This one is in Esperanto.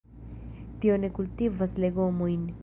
Tie oni kultivas legomojn.